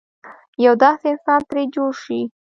یو داسې انسان ترې جوړ شي.